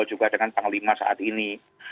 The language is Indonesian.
juga dengan panglima saat ini